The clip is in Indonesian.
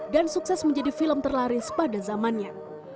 dan sukses menjadi film terlaris pada zamannya